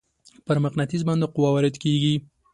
پر مقناطیس باندې قوه وارد کیږي.